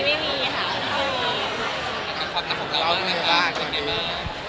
เราต้องรู้ไหมคะคือหากสมวงดีมาก